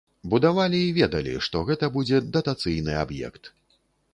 Будавалі і ведалі, што гэта будзе датацыйны аб'ект.